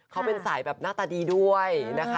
เขาเป็นสายแบบหน้าตาดีด้วยนะคะ